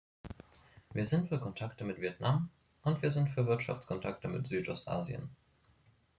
Wir sind für Kontakte mit Vietnam, und wir sind für Wirtschaftskontakte mit Südost-Asien.